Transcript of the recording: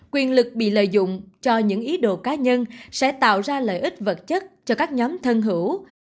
quyền lực bị lợi dụng cho những ý đồ cá nhân sẽ tạo ra lợi ích vật chất cho các nhóm thân hữu